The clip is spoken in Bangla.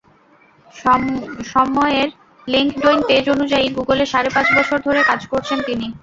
সন্ময়ের লিঙ্কডইন পেজ অনুযায়ী, গুগলে সাড়ে পাঁচ বছর ধরে কাজ করছেন তিনি।